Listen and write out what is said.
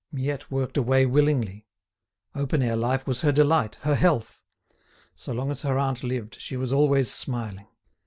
Miette worked away willingly. Open air life was her delight, her health. So long as her aunt lived she was always smiling.